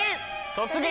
「突撃！